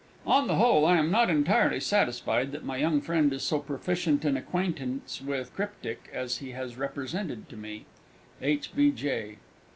On the whole, I am not entirely satisfied that my young friend is so proficient in acquaintance with Cryptic as he has represented to me. H. B. J.